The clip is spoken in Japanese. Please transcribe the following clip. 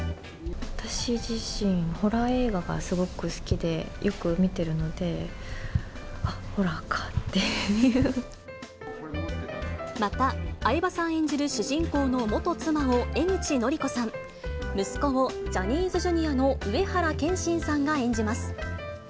私自身、ホラー映画がすごく好きで、よく見てるので、あっ、ホラーかまた、相葉さん演じる主人公の元妻を江口のりこさん、息子を、ジャニーズジュニアの上原剣心さんが演じます。